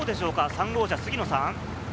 ３号車、杉野さん。